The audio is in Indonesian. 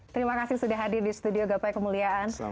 terima kasih sudah hadir di studio gapai kemuliaan